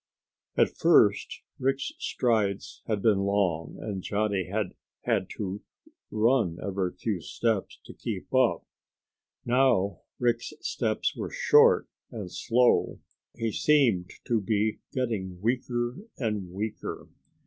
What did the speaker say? At first Rick's strides had been long and Johnny had had to run every few steps to keep up. Now Rick's steps were short and slow. He seemed to be getting weaker and weaker.